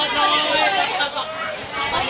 แดดข้าง